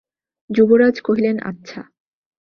যুবরাজ কহিলেন, আচ্ছা।